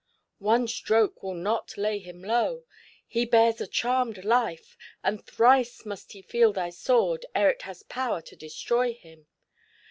One stroke will not lay him low ; he bears a charmed life, and thrice must he feel thy sword ere it has power to destroy him.